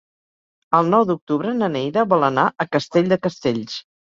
El nou d'octubre na Neida vol anar a Castell de Castells.